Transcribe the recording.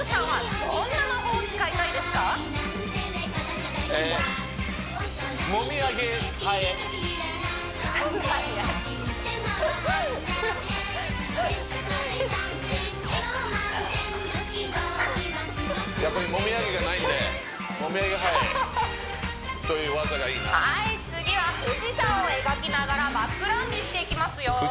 はい次は富士山を描きながらバックランジしていきますよ